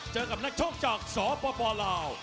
เจอกับนักทดจักษ์สวบบ่าลาว